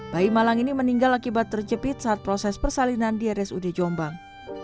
bayi malang ini meninggal akibat terjepit saat proses persalinan di rsud jombang